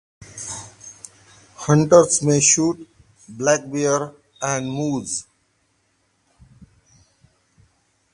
Hunters may shoot black bear and moose.